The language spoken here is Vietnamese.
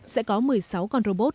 sẽ có một mươi sáu con robot